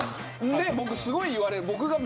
で僕すごい言われる。